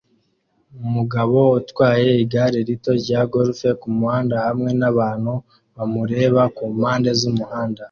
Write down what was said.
Umugabo utwaye igare rito rya golf kumuhanda hamwe nabantu bamureba kumpande zumuhanda